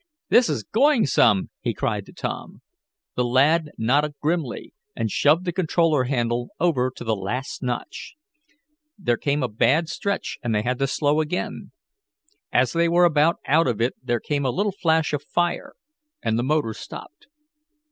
"This is going some!" he cried to Tom. The lad nodded grimly, and shoved the controller handle over to the last notch. Then came a bad stretch and they had to slow down again. As they were about out of it there came a little flash of fire and the motor stopped.